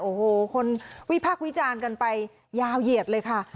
โอ้โหคนวิพากษ์วิจารณ์กันไปยาวเหยียดเลยค่ะ